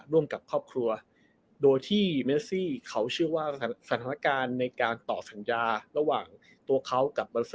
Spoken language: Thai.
ร่วมกับครอบครัวโดยที่เมซี่เขาเชื่อว่าสถานการณ์ในการต่อสัญญาระหว่างตัวเขากับบาเซอร์